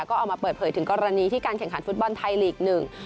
ก็เอามาเปิดเผยถึงกรณีที่การแข่งขันฟุตบอลไทยลีกหนึ่ง